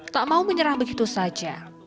tak mau menyerah begitu saja